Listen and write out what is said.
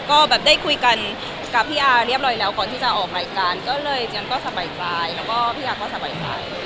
ก็แบบได้คุยกันกับพี่อาเรียบร้อยแล้วก่อนที่จะออกรายการก็เลยยังก็สบายใจแล้วก็พี่อาก็สบายใจ